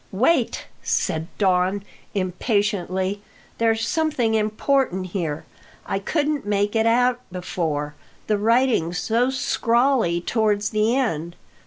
"Wait!" said Don impatiently. "There's something important here. I couldn't make it out before, the writing's so scrawly towards the end.